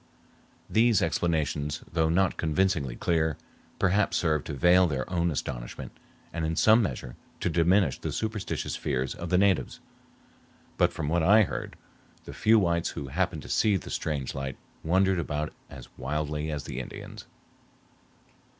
These explanations, though not convincingly clear, perhaps served to veil their own astonishment and in some measure to diminish the superstitious fears of the natives; but from what I heard, the few whites who happened to see the strange light wondered about as wildly as the Indians.